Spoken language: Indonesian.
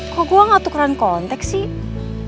kok gua gak tukeran kontek sih